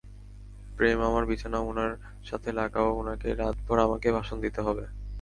প্রেম আমার বিছানা উনার সাথে লাগাও, উনাকে রাতভর আমাকে ভাষণ দিতে হবে।